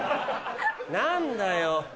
何だよ。